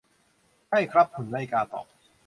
ใช่ครับ หุ่นไล่กาตอบ